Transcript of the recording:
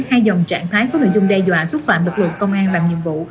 hai dòng trạng thái có nội dung đe dọa xúc phạm lực lượng công an làm nhiệm vụ